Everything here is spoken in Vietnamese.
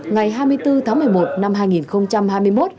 ngày hai mươi bốn tháng một mươi một năm hai nghìn hai mươi một